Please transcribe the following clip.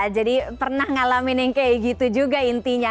jadi pernah ngalamin yang kayak gitu juga intinya